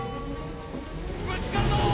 ぶつかるぞー！